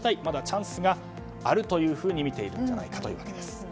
まだチャンスがあるとみているんじゃないかということです。